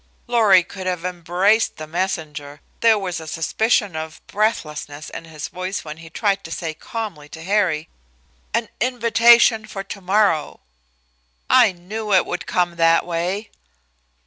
Lorry could have embraced the messenger. There was a suspicion of breathlessness in his voice when he tried to say calmly to Harry: "An invitation for to morrow." "I knew it would come that way."